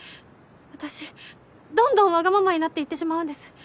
私どんどんわがままになっていってしまうんです。